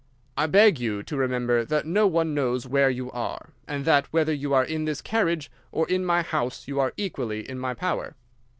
I beg you to remember that no one knows where you are, and that, whether you are in this carriage or in my house, you are equally in my power.